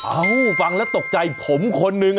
ฟังแล้วตกใจผมคนนึง